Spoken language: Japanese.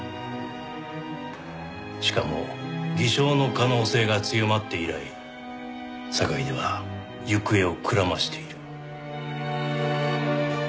しかも偽証の可能性が強まって以来坂出は行方をくらましている。